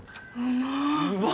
うま。